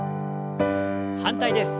反対です。